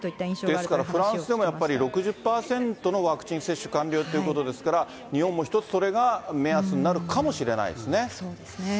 ですからフランスでもやっぱり６０％のワクチン接種完了っていうことですから、日本も一つ、それが目安になるかもしれないですね。